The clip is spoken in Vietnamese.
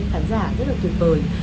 khán giả rất là tuyệt vời